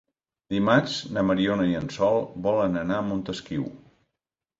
Dimarts na Mariona i en Sol volen anar a Montesquiu.